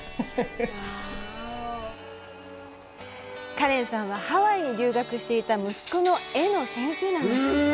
カレンさんはハワイに留学していた息子の絵の先生なんです。